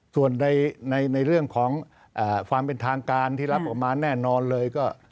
ส่วนในเรื่องของความเป็นทางการที่รับออกมาแน่นอนเลยก็